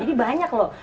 jadi banyak loh